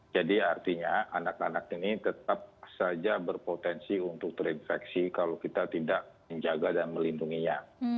jadi artinya anak anak ini tetap saja berpotensi untuk terinfeksi kalau kita tidak menjaga dan melindunginya